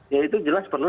ya itu jelas perlu